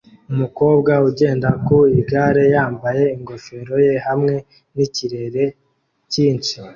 Umukobwa ugenda ku igare yambaye ingofero ye hamwe nikirere cyinshi